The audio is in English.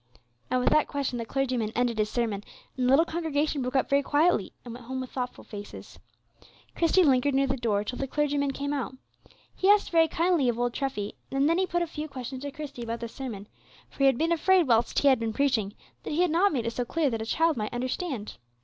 And with that question the clergyman ended his sermon, and the little congregation broke up very quietly, and went home with thoughtful faces. Christie lingered near the door till the clergyman came out. He asked very kindly of old Treffy, and then he put a few questions to Christie about the sermon; for he had been afraid whilst he had been preaching that he had not made it so clear that a child might understand.